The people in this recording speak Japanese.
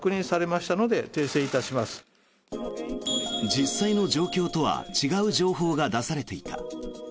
実際の状況とは違う情報が出されていた。